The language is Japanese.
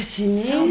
そう。